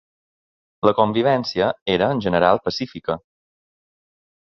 La convivència era, en general, pacífica.